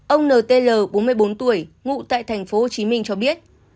ông ntl bốn mươi bốn tuổi ngụ tại thành phố hồ chí minh cho biết